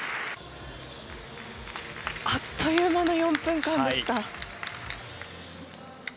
あっという間の４分間でした。